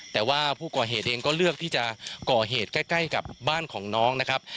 แต่ว่าผู้ก่อเหตุเองก็เลือกที่จะก่อเหตุใกล้กับบ้านของน้องนะครับ